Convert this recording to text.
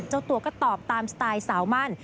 เจ้าตัวก็ตอบตามสไตล์สาวมั่น